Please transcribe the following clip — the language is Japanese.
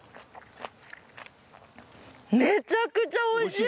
めちゃくちゃおいしい！